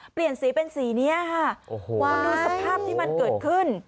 เปลี่ยนสีเป็นสีนี้ค่ะโอ้โหคุณดูสภาพที่มันเกิดขึ้น